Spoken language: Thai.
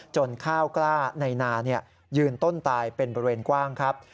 ข้าวกล้าในนายืนต้นตายเป็นบริเวณกว้างครับ